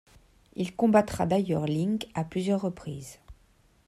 Il combattra d’ailleurs Link à plusieurs reprises.